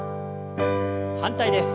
反対です。